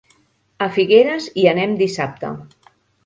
A Figueres hi anem dissabte.